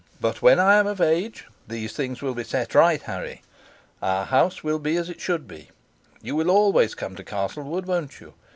But when I am of age, these things will be set right, Harry. Our house will be as it should be. You will always come to Castlewood, won't you?